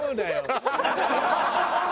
ハハハハ！